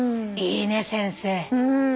いいね先生。